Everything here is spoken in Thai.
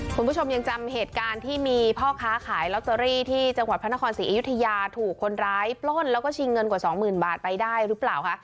คุณผู้ชมยังจำเหตุการณ์ที่มีพ่อค้าขายลอตเตอรี่ที่จังหวัดพระนครศรีอยุธยาถูกคนร้ายปล้นแล้วก็ชิงเงินกว่าสองหมื่นบาทไปได้หรือเปล่าคะ